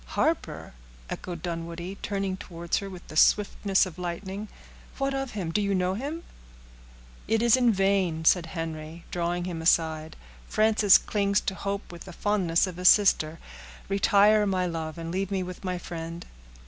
"Harper!" echoed Dunwoodie, turning towards her with the swiftness of lightning; "what of him? Do you know him?" "It is in vain," said Henry, drawing him aside; "Frances clings to hope with the fondness of a sister. Retire, my love, and leave me with my friend."